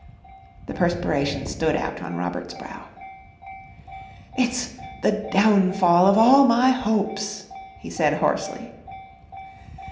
The perspiration stood out on Robert's brow. "It's the downfall of all my hopes," he said hoarsely.